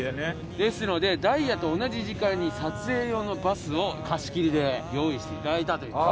ですのでダイヤと同じ時間に撮影用のバスを貸し切りで用意して頂いたという。